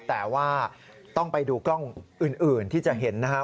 แต่ว่าต้องไปดูกล้องอื่นที่จะเห็นนะครับ